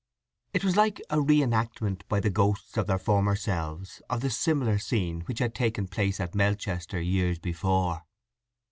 It was like a re enactment by the ghosts of their former selves of the similar scene which had taken place at Melchester years before.